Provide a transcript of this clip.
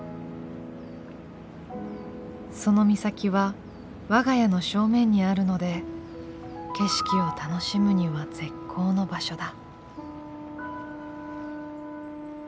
「その岬は我が家の正面にあるので景色を楽しむには絶好の場所だ」。